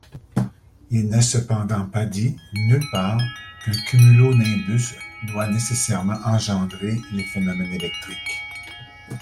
Il n'est cependant dit nulle part qu'un cumulonimbus doit nécessairement engendrer les phénomènes électriques.